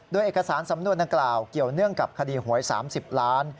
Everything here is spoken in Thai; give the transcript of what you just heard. โดยเอกสารสำนวนดังกล่าวเกี่ยวเนื่องกับคดีหวย๓๐ล้าน